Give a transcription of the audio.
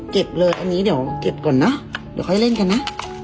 เลยอันนี้เดี๋ยวเก็บก่อนนะเดี๋ยวค่อยเล่นกันนะ